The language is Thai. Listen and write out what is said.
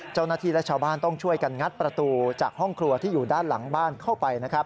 เจ้าหน้าที่และชาวบ้านต้องช่วยกันงัดประตูจากห้องครัวที่อยู่ด้านหลังบ้านเข้าไปนะครับ